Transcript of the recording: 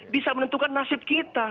bisa menentukan nasib kita